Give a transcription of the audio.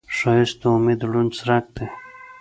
ښایست د امید روڼ څرک دی